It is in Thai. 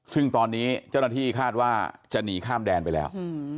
ซึ่งตอนนี้เจ้าหน้าที่คาดว่าจะหนีข้ามแดนไปแล้ว